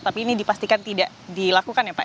tapi ini dipastikan tidak dilakukan ya pak